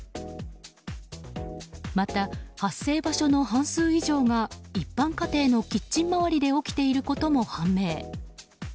また、発生場所の半数以上が一般家庭のキッチン周りで起きていることも判明。